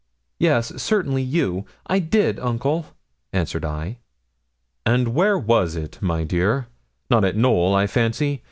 'Yes certainly you. I did, uncle,' answered I. 'And where was it, my dear? Not at Knowl, I fancy.